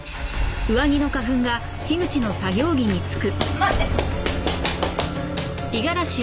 待って！